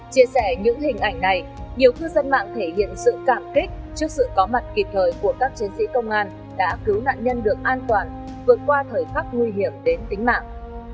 chia sẻ những hình ảnh này nhiều cư dân mạng thể hiện sự cảm kích trước sự có mặt kịp thời của các chiến sĩ công an đã cứu nạn nhân được an toàn vượt qua thời khắc nguy hiểm đến tính mạng